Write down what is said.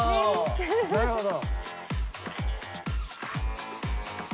なるほど。